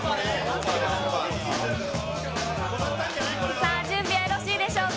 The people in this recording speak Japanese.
さあ、準備はよろしいでしょうか。